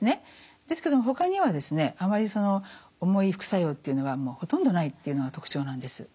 ですけどもほかにはですねあまりその重い副作用っていうのはほとんどないっていうのが特徴なんです。